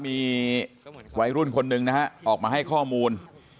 มีวัยรุ่นคนหนึ่งนะฮะออกมาให้ข้อมูล